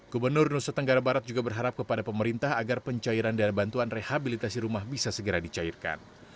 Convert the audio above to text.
gubernur nusa tenggara barat juga berharap kepada pemerintah agar pencairan dana bantuan rehabilitasi rumah bisa segera dicairkan